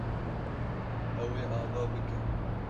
Ew ê ava bike.